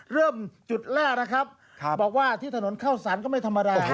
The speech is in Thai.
เริ่มจุดแรกนะครับบอกว่าที่ถนนเข้าสารก็ไม่ธรรมดา